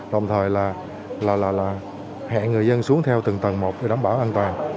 đồng thời là hẹn người dân xuống theo từng tầng